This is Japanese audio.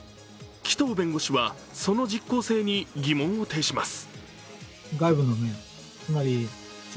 紀藤弁護士はその実効性に疑問を呈します。